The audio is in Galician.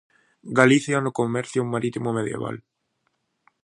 Galicia no comercio marítimo medieval.